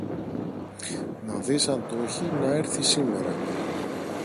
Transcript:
να δεις αν το ’χει να έρθει σήμερα